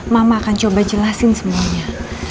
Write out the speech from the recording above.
mama akan coba jelasin semuanya